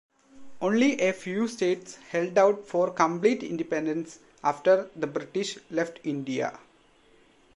Only a few states held out for complete independence after the British left India.